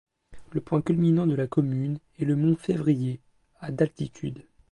Le point culminant de la commune est le mont Février, à d'altitude.